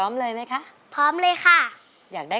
ไม่ใช่